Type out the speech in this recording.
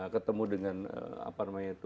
ketemu dengan apa namanya itu